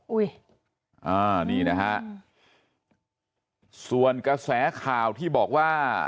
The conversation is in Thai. อุ้ยอ่านี่นะฮะส่วนกระแสข่าวที่บอกว่า